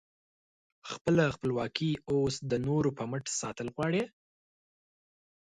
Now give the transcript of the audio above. خپله خپلواکي اوس د نورو په مټ ساتل غواړې؟